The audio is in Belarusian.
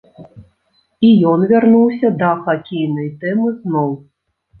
І ён вярнуўся да хакейнай тэмы зноў.